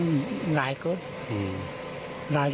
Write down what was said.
อันนี้ไหลเกิดอืม